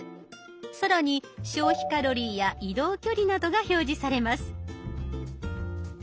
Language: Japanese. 更に消費カロリーや移動距離などが表示されます。